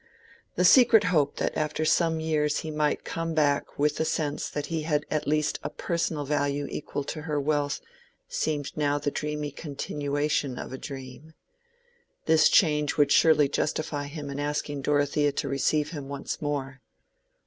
The secret hope that after some years he might come back with the sense that he had at least a personal value equal to her wealth, seemed now the dreamy continuation of a dream. This change would surely justify him in asking Dorothea to receive him once more.